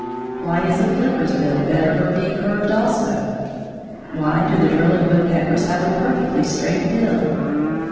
Why is a flicker's bill better for being curved also? Why do the drilling woodpeckers have a perfectly straight bill?